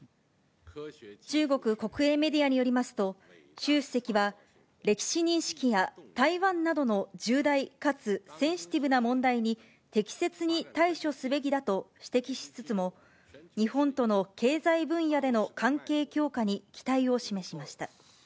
中国国営メディアによりますと、習主席は歴史認識や台湾などの重大かつセンシティブな問題に適切に対処すべきだと指摘しつつも、日本との経済分野での関係強化に期待を示しました。